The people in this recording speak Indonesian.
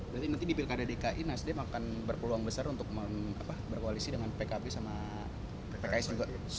berarti nanti di pilkada dki nasdem akan berpeluang besar untuk berkoalisi dengan pkb sama pks juga